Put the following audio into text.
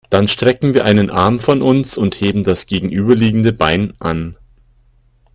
Dann strecken wir einen Arm von uns und heben das gegenüberliegende Bein an.